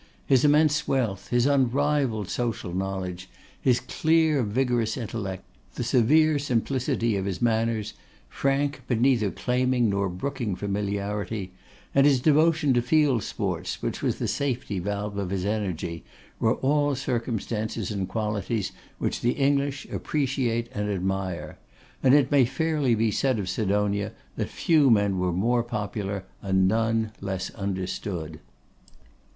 His immense wealth, his unrivalled social knowledge, his clear vigorous intellect, the severe simplicity of his manners, frank, but neither claiming nor brooking familiarity, and his devotion to field sports, which was the safety valve of his energy, were all circumstances and qualities which the English appreciate and admire; and it may be fairly said of Sidonia that few men were more popular, and none less understood.